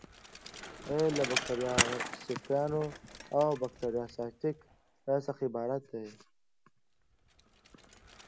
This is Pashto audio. له بکټریوسایډل او بکټریوسټاټیک څخه عبارت دي.